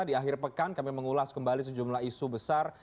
dari pekan kami mengulas kembali sejumlah isu besar